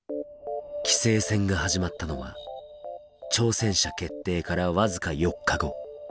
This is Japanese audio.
棋聖戦が始まったのは挑戦者決定から僅か４日後。